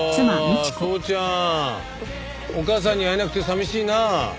宗ちゃんお母さんに会えなくて寂しいな。